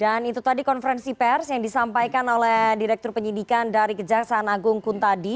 dan itu tadi konferensi pers yang disampaikan oleh direktur penyidikan dari kejaksaan agung kuntadi